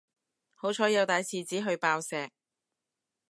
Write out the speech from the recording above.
好彩有帶廁紙去爆石